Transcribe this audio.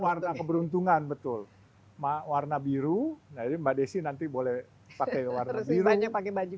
warna keberuntungan betul warna biru nah jadi mbak desi nanti boleh pakai warna biru